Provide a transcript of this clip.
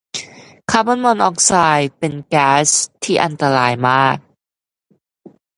คาร์บอนมอนอกซ์ไซด์เป็นแก๊สที่อันตรายมาก